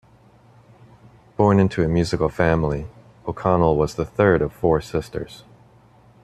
Born into a musical family, O'Connell was the third of four sisters.